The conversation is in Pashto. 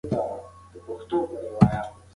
ښیښه د خیر محمد لخوا پاکه شوې وه.